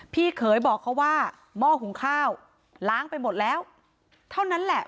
พี่เขยบอกเขาว่าหม้อหุงข้าวล้างไปหมดแล้วเท่านั้นแหละ